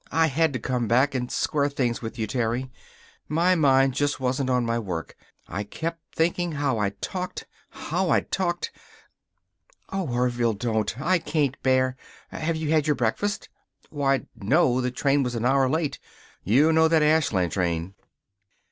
I had to come back and square things with you, Terry. My mind just wasn't on my work. I kept thinking how I'd talked how I'd talked " "Oh, Orville, don't! I can't bear Have you had your breakfast?" "Why, no. The train was an hour late. You know that Ashland train."